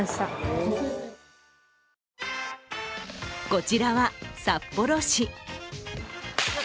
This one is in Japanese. こちらは札幌市。